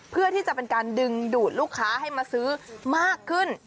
เพื่อที่จะเป็นการดึงดูดลูกค้าให้มาซื้อมากขึ้น